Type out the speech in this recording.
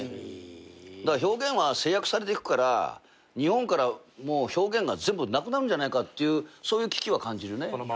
表現は制約されていくから日本から表現が全部なくなるんじゃないかっていうそういう危機は感じるね。